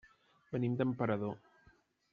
Venim d'Emperador.